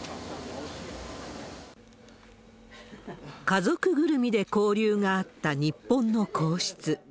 家族ぐるみで交流があった日本の皇室。